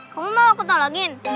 kamu mau aku tolongin